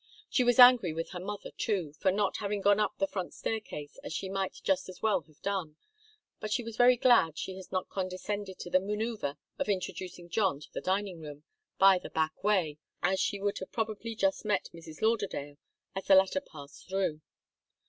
She was angry with her mother, too, for not having gone up the front staircase, as she might just as well have done, but she was very glad she had not condescended to the manœuvre of introducing John into the dining room by the back way, as she would have probably just met Mrs. Lauderdale as the latter passed through.